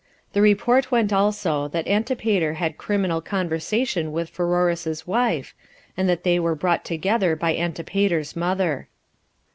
The report went also, that Antipater had criminal conversation with Pheroras's wife, and that they were brought together by Antipater's mother.